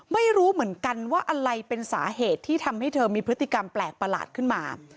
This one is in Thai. ไม่รู้เหมือนกันว่าอะไรเป็นสาเหตุที่ทำให้เธอมีพฤติกรรมแปลกประหลาดขึ้นมา